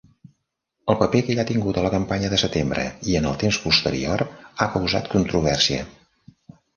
El paper que ell ha tingut a la Campanya de Setembre i en el temps posterior ha causat controvèrsia.